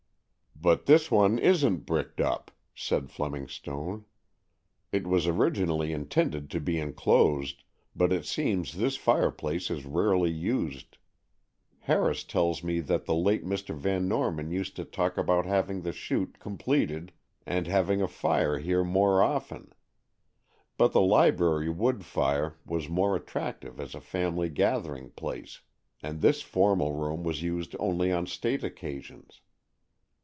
"But this one isn't bricked up," said Fleming Stone. "It was originally intended to be enclosed; but it seems this fireplace is rarely used. Harris tells me that the late Mr. Van Norman used to talk about having the chute completed, and having a fire here more often. But the library wood fire was more attractive as a family gathering place, and this formal room was used only on state occasions.